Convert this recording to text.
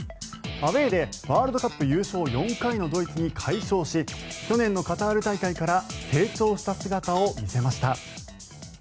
アウェーでワールドカップ優勝４回のドイツに快勝し去年のカタール大会から成長した姿を見せました。